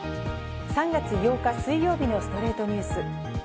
３月８日、水曜日の『ストレイトニュース』。